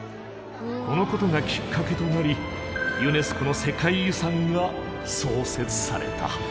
このことがきっかけとなりユネスコの世界遺産が創設された。